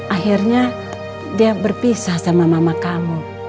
akhirnya dia berpisah sama mama kamu